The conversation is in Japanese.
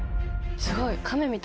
すごい！